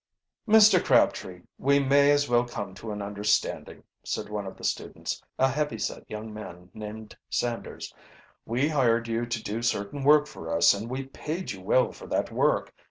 "Mr. Crabtree, we may as well come to an understanding," said one of the students, a heavyset young man named Sanders. "We hired you to do certain work for us, and we paid you well for that work.